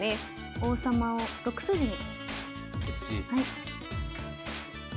王様を６筋に。